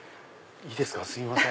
いいですかすいません。